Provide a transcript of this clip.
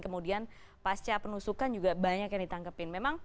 kemudian pasca penusukan juga banyak yang ditangkepin